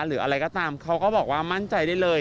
หรืออะไรก็ตามเขาก็บอกว่ามั่นใจได้เลย